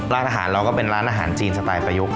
ร้านอาหารเราก็เป็นร้านอาหารจีนสไตล์ประยุกต์